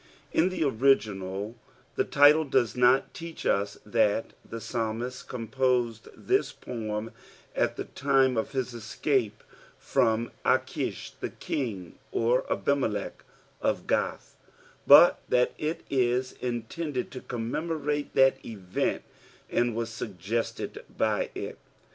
In tiie original, the title does not teach us that the paalmist composed (Ais poetn at the time qf Ais escape from Achish, the Icing or Abimdech (f Ijaih, but that it is inlendftl lo commemoraie that event, and iros suggested by it.